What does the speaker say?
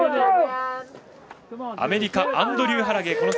アメリカアンドリュー・ハラゲイ。